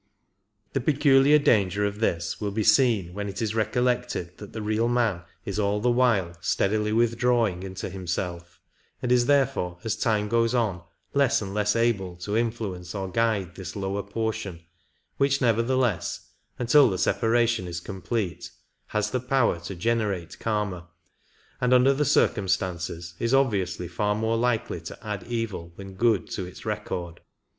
The peculiar danger of this will be seen when it is recollected that the real man is all the while steadily withdrawing into himself, and is therefore as time goes on less and less able to influence or guide this lower portion, which nevertheless, until the separation is complete, has the power to generate Karma, and. under the circumstances is obviously far more likely to add evil than good to its record.